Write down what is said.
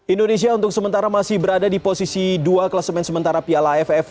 indonesia untuk sementara masih berada di posisi dua kelas main sementara piala aff